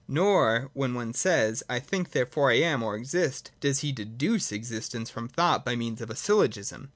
(Nor, when one says, I think, therefore I am or exist, does he deduce existence from thought by means of a syllogism.)